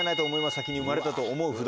先に生まれたと思う札。